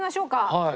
はい。